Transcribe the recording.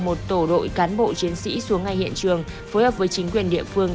một tổ đội cán bộ chiến sĩ xuống ngay hiện trường phối hợp với chính quyền địa phương